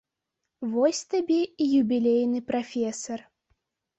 Вось табе і юбілейны прафесар.